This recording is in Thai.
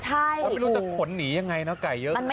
พอไม่รู้จะผลหนียังไงไก่เยอะกว่านี้